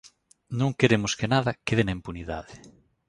Non queremos que nada quede na impunidade.